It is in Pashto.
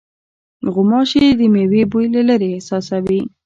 غوماشې د مېوې بوی له لېرې احساسوي.